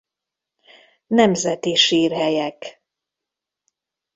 Nemzeti Sírhelyek.